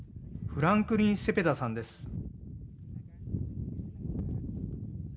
フランクリン・セペダさんです。